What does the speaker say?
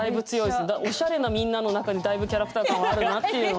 おしゃれなみんなの中でだいぶキャラクター感はあるなっていうのは。